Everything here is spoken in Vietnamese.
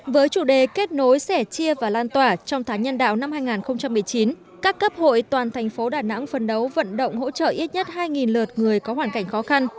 với chủ đề kết nối sẻ chia và lan tỏa trong tháng nhân đạo năm hai nghìn một mươi chín các cấp hội toàn thành phố đà nẵng phân đấu vận động hỗ trợ ít nhất hai lượt người có hoàn cảnh khó khăn